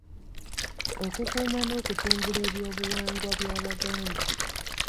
Okukuuma n’okutumbula eby’Obuwangwa by’Abaganda.